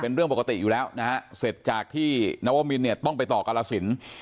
เรื่องปกติอยู่แล้วนะฮะเสร็จจากที่นวมินเนี่ยต้องไปต่อกรสิน